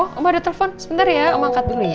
oh om ada telepon sebentar ya om angkat dulu ya